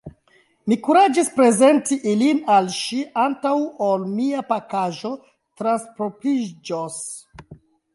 Mi kuraĝis prezenti ilin al ŝi, antaŭ ol mia pakaĵo transpropriĝos.